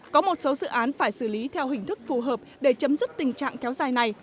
có một số dự án phải xử lý theo hình thức phù hợp để chấm dứt tình trạng kéo dài này